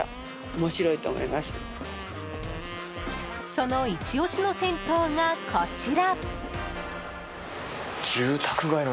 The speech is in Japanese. そのイチオシの銭湯が、こちら。